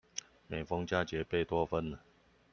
每逢佳節貝多芬